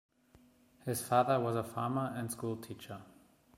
His father was a farmer and school teacher.